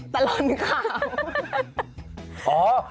ตลอดข่าว